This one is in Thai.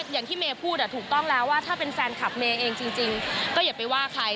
อย่างที่เมย์พูดถูกต้องแล้วว่าถ้าเป็นแฟนคลับเมย์เองจริงก็อย่าไปว่าใคร